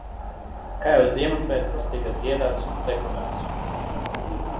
Kā jau Ziemassvētkos tika dziedāts un deklamēts.